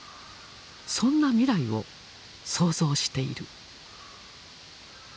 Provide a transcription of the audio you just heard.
そんな未来を想像している。